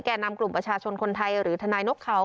นำกลุ่มประชาชนคนไทยหรือทนายนกเขา